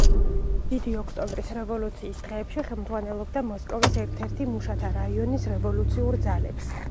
დიდი ოქტომბრის რევოლუციის დღეებში ხელმძღვანელობდა მოსკოვის ერთ-ერთი მუშათა რაიონის რევოლუციურ ძალებს.